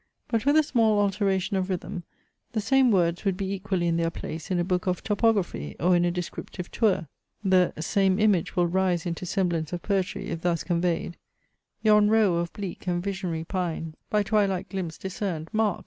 But with a small alteration of rhythm, the same words would be equally in their place in a book of topography, or in a descriptive tour. The same image will rise into semblance of poetry if thus conveyed: Yon row of bleak and visionary pines, By twilight glimpse discerned, mark!